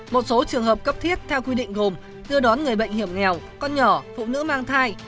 một số trường hợp cấp thiết theo quy định gồm đưa đón người bệnh hiểm nghèo con nhỏ phụ nữ mang thai